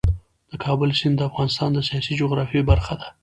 د کابل سیند د افغانستان د سیاسي جغرافیه برخه ده.